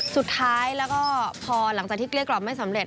สุดท้ายแล้วก็พอหลังจากที่เกลี้ยกล่อมไม่สำเร็